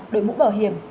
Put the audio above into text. đội mũ bảo hiểm